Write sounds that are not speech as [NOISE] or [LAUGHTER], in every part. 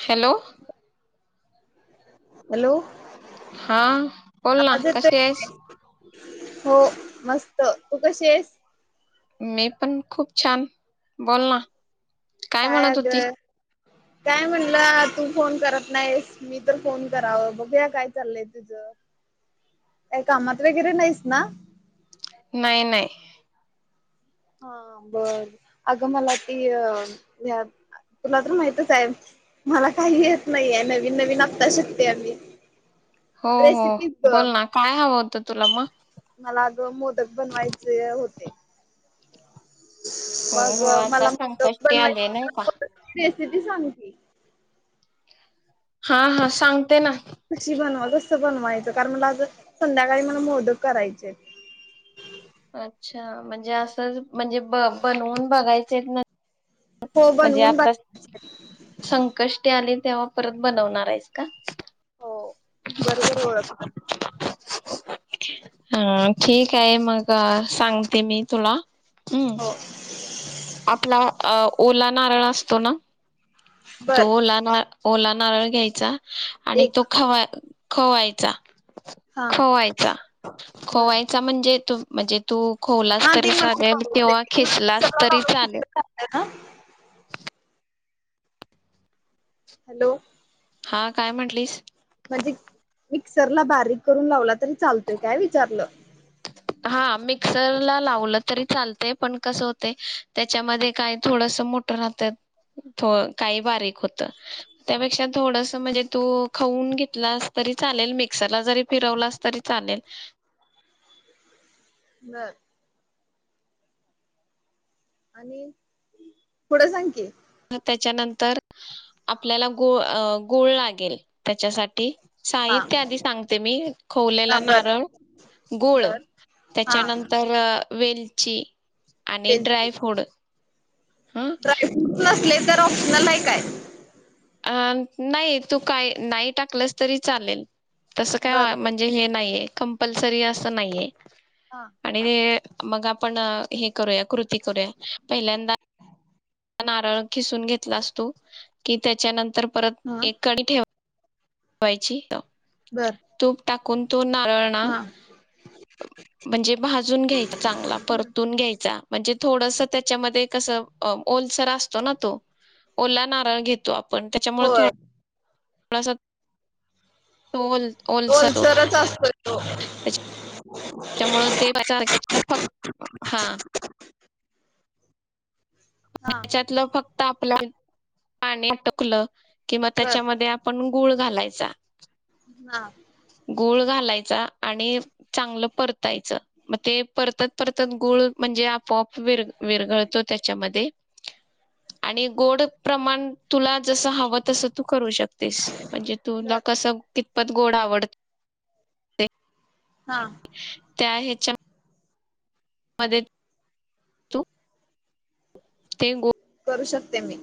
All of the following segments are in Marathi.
हॅलो हॅलो हा बोल ना आवाज कशी आहेस येतोय हो मस्त तू कशी आहेस मी पण खूप छान बोल ना काय म्हणत होती काय म्हणलं तू फोन करत नाहीस मी तर फोन करावं बघूया काय चाललंय तुझ, काई कामात वगैरे नाहीस ना? नाही नाही हा बर अगं मला ती तुला तर माहितच आहे मला काही येत नाहीये नवीन नवीन आता शिकतेय आम्ही हो हो रेसिपीज ग बोल ना, काय हवं होतं? तुला म मला अग मोदक बनवायचे होते, हो हो मग आता मला मोदक संकष्टी आले नाही का बनवायची रेसिपी सांग की, हा हा सांगते ना कशी बनवा कसं बनवायचं कारण माझ संध्याकाळी मला मोदक करायचेत. अच्छा म्हणजे असं म्हणजे ब बनवून बघायचेत हो म्हणजे बनवून बघ आता संकष्टी आली तेव्हा परत बनवणार आहेस का? हो बरोबर ओळखतात हा ठीक आहे मग सांगते मी तुला हम्म हो आपला अ ओला नारळा असतो ना, तो बर ओला नार ओला नारळ घ्यायचा आणि एक तो खवा खवायचा. हा खवायचा - बर खवायचा म्हणजे तो, म्हणजे तू खोवलास हा तरी ते मला चालेल किंवा खिसलास मिक्सरला तरी लावून चालेल. ना हॅलो. हा काय म्हटलीस? म्हणजे मिक्सरला बारीक करून लावला तरी चालतोय काय? विचारलं. हा मिक्सर ला लावलं तरी चालतय पण कस होतय, त्याच्यामध्ये काही थोडसं मोठ राहत्यात थो काही बारीक होत, त्यापेक्षा थोडस म्हणजे तू खऊन घेतलास तरी चालेल, मिक्सरला जरी फिरवलास तरी चालेल. [UNINTELLIGIBLE] आणि पुढं सांग की. त्याच्यानंतर, आपल्याला गूळ आ गुळ लागेल त्याच्यासाठी. हा साहित्य आधी सांगते मी. हा खोवलेला बर नारळ, गूळ, बर हा त्याच्यानंतर वेल यची आणि बिलकुल ड्राय फुड. ड्रायफ्रूट नसलेच, तर ऑप्शनल हाय काय? अ नाही तू काय नाही टाकलंस तरी चालेल. तसं काय बर आ. बर म्हणजे हे नाहीये कंपलसरी असं नाहीये, हा आणि ते अ मग आपण हे करूया, कृती करूया, पहिल्यांदा नारळ खिसून घेतलास तू, की त्याच्या नंतर परत हा एक कडी ठेव वायची बर तूप टाक, कुण तो नारळ ना, हा म्हणजे भाजून घ्यायचा, चांगला परतून घ्यायचा. म्हणजे थोडस त्याच्यामध्ये कसं, ओलसर असतो ना तो, ओला नारळ घेतो आप पण, त्याच्यामुळे होय थोड थोडासा टोल ओलसरच असतो तो. त्यामुळे ते फक्त हा हा च्यातलं फक्त आप आपल पाणी अटकलं किंवा बर त्याच्यामध्ये आपण गुळ घालायचा हा. गूळ घालायचा आणि चांगलं परतायचं मग ते परतत परतत गूळ म्हणजे आपोआप विर विरगळतो त्या मधे आणि गोड प्रमाण तुला जस हवं तस तू करू शकतेस म्हणजे तुला बर कस कितपत गोड आवडत ते हा त्या हेच्या मध्ये तू ते गो [INAUDIBLE] ते मी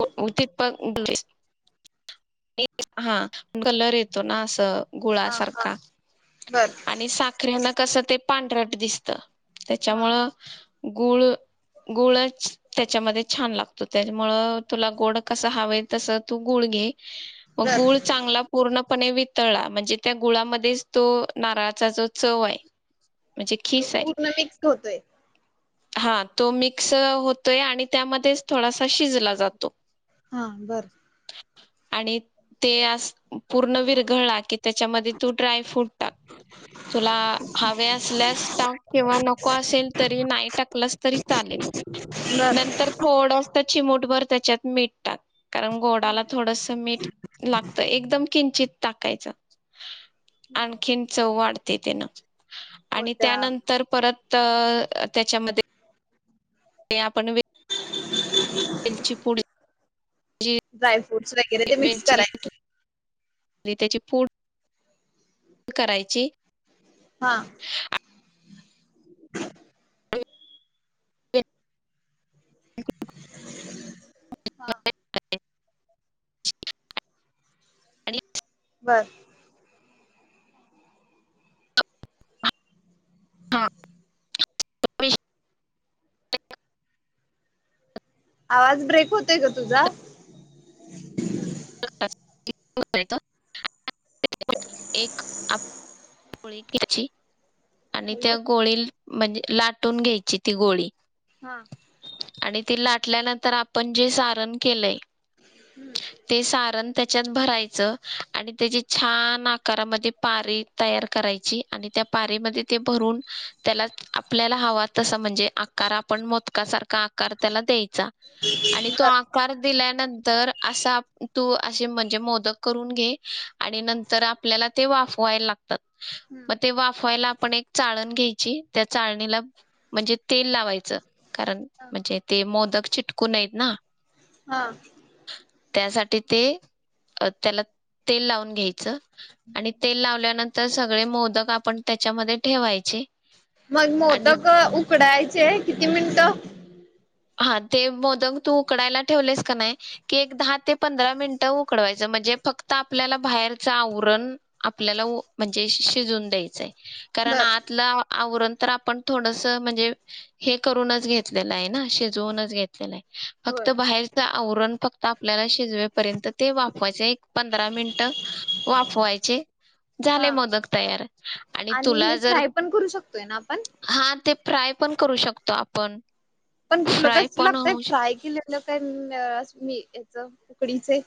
हा कलर येतो ना असं हा हा गुळासारखा बर आणि साखर्यान कसं ते पांढऱ्या दिसत हा त्याच्यामुळं गुळ गुळचं त्याच्यामध्ये छान लागतो तेज्यामुळं तुला गोड कस हवेय तसं तू गुळ घे मग बर गुळ चांगला पूर्णपणे वि तळा म्हणजे त्या गुळामध्येच तो नारळाचा जो चव्हाय तो पूर्ण मिक्स होतोय. हा तो मिक्स होतोय आणि त्यामध्येच थोडासा शिजला जा तो हा बरं. आणि ते आस पूर्ण विरघला की त्याच्यामध्ये तू ड्राय फ्रूट टाक--तुला हवे असल्यास टाक किंवा नको असले तरी नाही टाकलस तरी चालेल बर नंतर थोड चिमुठभर त्याच्यात मीट टाक कारण गोडाला थोडस मीठ लागतं एकदम किंचित टाकायच आणखीन चव वाढ ते तेना हो आणि त्या त्यानंतर परत तर त्याच्यामध्ये ते आपण वेलची पूड जी जायफ फ्रूट्स वगैरे ते मिक्स करायचं आणि त्याची फुढ करायची हा [INAUDIBLE] [INAUDIBLE] हा आणि बर हा [UNINTELLIGIBLE] आवाज ब्रेक होतय ग तुझा [UNINTELLIGIBLE] [UNINTELLIGIBLE] एक आप पळी घ्याची आणि हॅलो त्या गोळी म्हणजे लाटून घ्यायची ती गोळी हाअ्ं आणि ती लाटल्यानंतर आपण जे सारण केलंय ते सारण त्याच्यात भरायचं आणि त्याची छान आकारामध्ये पारी तयार करायची आणि त्या पारी म ते भरून त्याला आपल्याला हवा तस म्हणजे आकार आपण मोदका सारखा आकार त्याला द्या आणि तो बर आकार दिला नंतर असा तू असे म्हणजे मोदक करून घे आणि नंतर आपल्याला ते वाफवायला मग हम्म ते वाफवायला आपण एक चाळण घ्यायची त्या चाळ [UNINTELLIGIBLE] म्हणजे तेल लावायच कारण म्हणजे ते मोदक चिटकून नायत ना हा अ्ं त्यासाठी ते त्याला तेल लावून घ्यायचं आणि तेल लावल्यानंतर तर सगळे मोदक आपण त्याच्यामध्ये ठेवायचे मग आणि मोदक उकडायचे किती मिनटं? हा ते मोदक तू उकडायला ठेवलेस का नाही? की एक दहा ते पंधरा मिनटं उकडवायचं म्हणजे फक्त आपल्याला बाहेरच आवरण आपल्याला ओ म्हणजे शिजून द्यायचाय. कारण बर आतला आवरण तर आपण थोडस म्हणजे हे करूनच घेतलेलं आय ना शि जूनच घेतलेल आय. फक्त होय बाहेरच आवरण फक्त आपल्याला शिजवेपर्यंत ते वाफवायचय. पंधरा मिनटं वाफवायचे झाले हा मोदक तयार आणि तुला हे जर फ्राय पण करू शकतोय ना आपण हा ते फ्राय पण करू शकतो आपण पण कुठलं फ्राय कसल पण लागतंय होऊ फ्राय केलेलं. [UNINTELLIGIBLE] मी हेच उकडीचे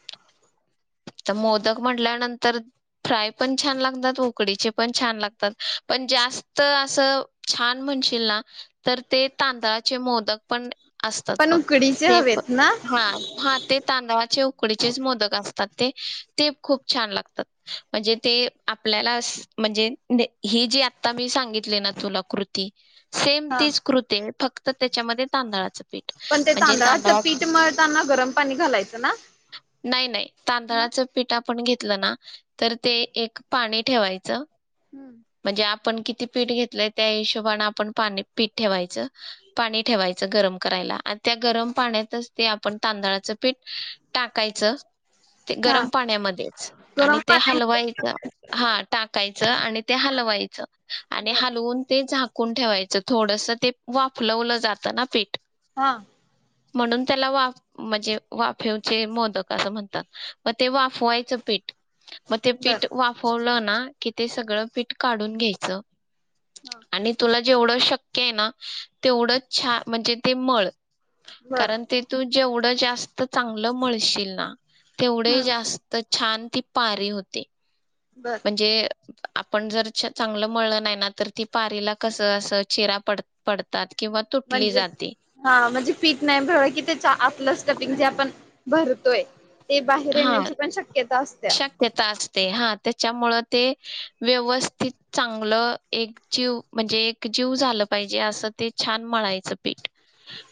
त मोदक म्हटल्यानंतर फ्राय पण छान लागतात, उकडीचे पण छान लागतात, पण जास्त असं छान म्हणशील ना तर ते तांदळाचे मोदक पण असतात पण बघ उकडीचे ते प हवेत ना हा हा ते तांदळाचे उ उकडीचेच मोदक अस तात ते ते खूप छान लागतात म्हणजे ते आपल्याला अस म्हणजे ने हे जे आता मी सांगितले ना तुला कृती सेम हा तीच कृती आय फक त त्याच्यामध्ये तांदळाच पण ते तांदळाचं पीठ मळताना गरम पाणी घालायचं ना? मग तांदळाच पिठ आ पण घेतलं ना, तर ते एक पाणी ठेवायचं. हम्म म्हणजे आपण कि ती पीठ घेतलंय त्या हिशोबान आपण पाणी पीठ ठेवायचं, पाणी ठेवायचं गरम करायला आ त्या गरम पाण्यातच ते आपण तांदळाचं पीठ टाकायचं. ते हा गरम पाण्यामध्येच गरम आणि ते पाणी हलवायच हा टाकाय च आणि ते हलवायचं. आणि बर हलवून ते झा कून ठेवायचं थोडस ते वाफलवलं जातं ना पीठ हा म्हणून त्याला वाफ म्हजे वाफेवचे मोदक असं म्हण तात म ते वाफवायचं पीठ म ते बर पीठ वाफवलं ना कि ते सगळं पीठ काढून घ्यायचं. हा आणि तुला जेवढं शक्य आय ना तेवढं छा म्हणजे ते मळ बर कारण ते तू जेवढं जा मत चांगलं म्हळशील ना तेवढे हम्म जास्त छान ती पारी होती. बर म्हणजे आपण जर चांगलं मळलं नाही ना तर ती पारीला कसं असं चेरा पड पडतात- किंवा तुटली म्हणजे जाते हा म्हणजे पीठ नाहीव कि त्या आपलंच कटिंग जे आपण भरतोय. ते बाहेर हा येण्याची पण शक्यता असत्या ते हा त्याच्यामुळ ते व्यवस्थित चांगलं एक जीव म्हणजे एक जीव झालं पाहिजे असं ते छान मळायचं पीठ.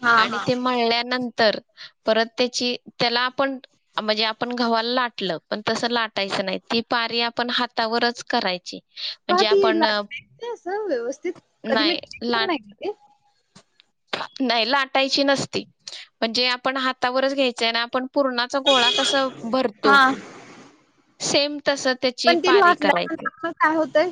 हा आणि हा ते मळल्यानंतर परत त्याची त्याला आपण म्हणजे आपण गव्हाला लाटलं पण तसं लाटायचं नाही ती पारी आपण हातावरच करायची. का म्हणजे ती आपण अ, लाट अस व्यवस्थित कधी मी नाही लाट नाही ते. नाही लाटायची नसती म्हणजे आपण हातावरच घ्यायचंय ना आपण पूर्णाचा गोळा कसा भरतो हा. सेम तसं त्याची पण ते लास्टला काय होतय?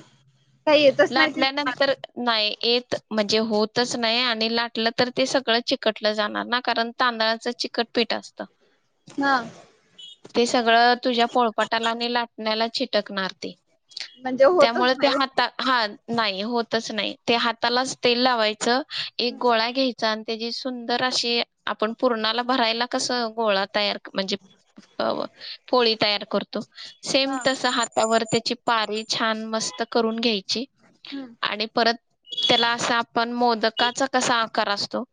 लाटला नंतर नाही येत म्हणजे होतच नाही आणि लाटलं तर ते सगळं चिकटलं जाणार ना कारण तांदळाच चिकटपीठ असतं. हा. ते सगळं तुझ्या पोळपाटाला आणि लाटण्याला चिटकणार ते म्हणजे होतच त्यामुळे नाही वय ते? हाता हा नाही होतच नाही ते हातालाच तेल लावायचं. एक गोळा घ्यायचा आणि त्याजी सुंदर अशी आपण पूर्णाला भरायला कसं गोळा तयार म्हणजे अ ग पोळी तयार कर सेम हा तसा हातावर त्याची पारी छान मस्त करून घ्यायची हम्म आणि परत त्याला असा आपण मोदकाचा कसा आकार असतो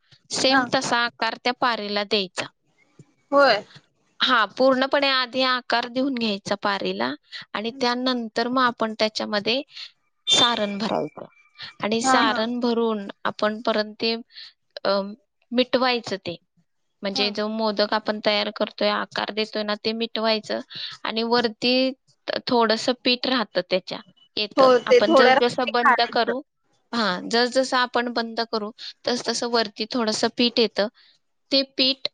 हा सेम तसा आकार त्या पारेला द्यायचा होय. हा पूर्णपणे आधी आकार देऊन घ्यायचा पारीला. आणि त्यानंतर मग पण त्याच्यामध्ये सारण भरायच आणि हा हा सारण भरून आपण परंत ते अ मिटवायचं ते. म्हणजे हा जो मोदक आपण तयार कर तोय आकार देतोय ना ते मिटवायचं, आणि वरती थोडंसं पीठ राह त त्याच्या हो येतं. ते आपण थोड्या जस् रात्री जसं बंद काढायचं. करू हां, जस् जसं आपण बंद करू तस् तसं वरती थोडंसं पीठ येतं ते पीठ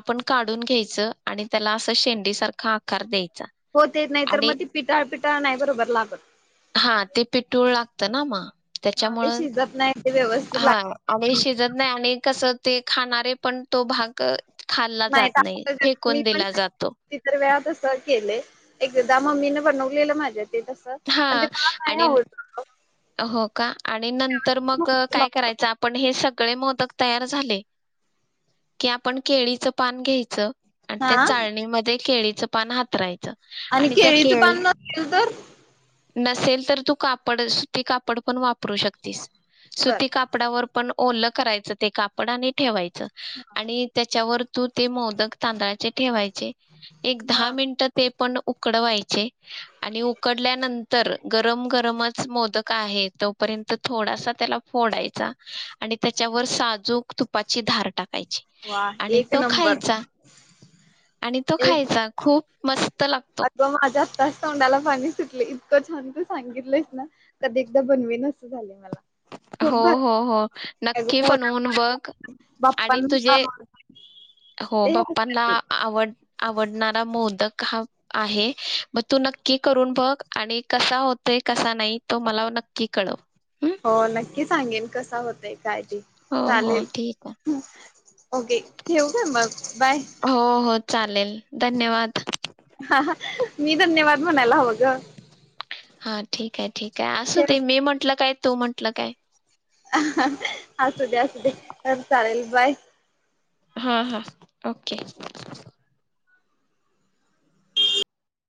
आपण काढून घ्याय चं, आणि त्याला असं शेंडी सारखा आकार द्यायचा. हो तेच, नाही तर म आणि ते पिटाळ-पिटाळ नाही बरोबर लागत. हां, ते पिठुळ लागतं ना म. हा ते त्याच्यामुळं, शिजत नाही ते व्यवस्थित लाग हां आणि शिजत नाही आणि कसं ते खाणारे पण तो भाग खाल्ला नाही जात [UNINTELLIGIBLE] मी फेकून पण दिला जातो तीतर वेळातच च केलंय एकदा मम्मीने बनवलेलं माझ्यात हां आणि न् हो का, आणि नंतर मग काय करायचं आपण हे सगळे मोद दक तयार झाले, की आपण केळीच पान घ्यायचं आण् हा त्या चाळणीमध्ये केळीत चं पान हातराय आणि केळीचं पान न [UNINTELLIGIBLE] तर? नसेल तर तू कापड, सुती कापड पण वापरू शकतीस. बर सुती कापडावर पण ओलं करायचं ते कापड आणि ठेवाय चं, आणि त्या च्या व तू ते मोदक तांदळाचे ठेवायचे. एक हा दहा मिन्टं ते पण उकडवायचे, आणि उक उकडल्यानंतर गरम गरमच मोदक आहे तोपर्यंत थोडासा त्याला फोडायचा आणि त्याच्यावर साजूक तुपाची धार टाकाय ची वा आणि एक तो नंबर खायचा, आणि तो खायचा खूप मस् अतवा माझ्या आत्ताच तोंडाला पाणी सुटले. इतकं छान तू सांगितलंस ना, कधी एकदा बनवीन असं झालय मला. खूप भारी हो-हो-हो नक्की बनवून बघ, आणि तुझे बाप्पांना हो बाप्पांला ते आवड आवडणारा मोदक हं आहे. म तू नक्की करून बघ, आणि कसा होतंय कसा नाही तो मला नक्की कळव. हम्म हो नक्की सांगेन, कसा होतय काय हो हो चालेल ठीक [INAUDIBLE] ओके ठेवु काय? मग बाय आहे हो हो चालेल धन्यवाद मी धन्यवाद म्हणायला हवं ग हा ठीक आहे ठीक आहे ठेव असूदे मी म्हटलं काय तु म्हंटलं काय? [UNINTELLIGIBLE] असू दे असू दे चालेल बाय हा हा ओके [INAUDIBLE]